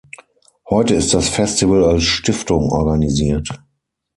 Heute ist das Festival als Stiftung organisiert.